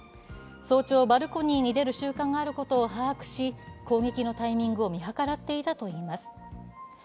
早朝バルコニーに出る習慣があることを把握し攻撃のタイミングを見計らっていたといいます。